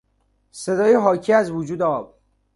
صدای حاکی از وجود آب